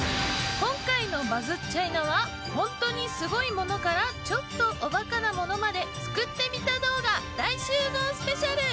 今回の『バズっちゃいな！』は本当にすごいものからちょっとおバカなものまで作ってみた動画大集合スペシャル！